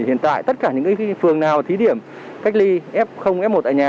hiện tại tất cả những phường nào thí điểm cách ly f f một tại nhà